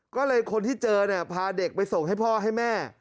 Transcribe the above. ก็เลยคนที่เจอเนี่ยพาเด็กไปส่งให้พ่อให้แม่